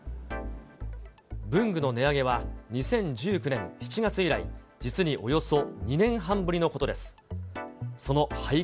文具の値上げは、２０１９年７月以来、実におよそ２年半ぶりのことです。